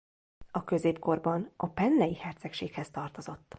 A középkorban a Pennei Hercegséghez tartozott.